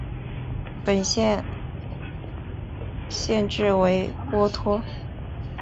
本县县治为波托。